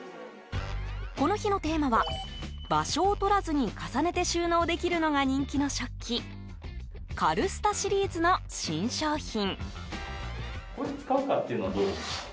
この日のテーマは場所を取らずに重ねて収納できるのが人気の食器軽スタシリーズの新商品。